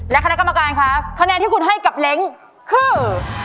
และคณะกรรมการคะคะแนนที่คุณให้กับเล้งคือ